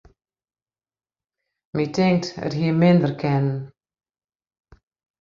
My tinkt, it hie minder kinnen.